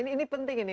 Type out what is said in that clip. nah ini penting ini